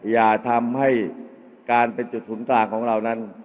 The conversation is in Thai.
อย่าทำให้การเป็นจุดศูนย์กลางของเรานั้น